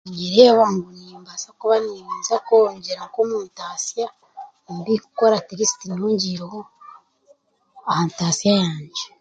Niinyereeba ngu ninyija kuba ndikweyongyera nk'omu ntaasya ndikukora at least nyongiireho aha ntaasya yangye.